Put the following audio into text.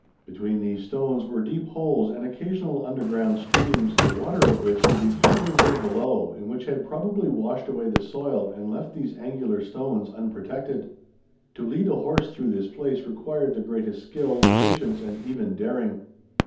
Between these stones were deep holes and occasional underground streams, the water of which could be faintly heard below and which had probably washed away the soil and left these angular stones unprotected. To lead a horse through this place required the greatest skill, patience, and even daring.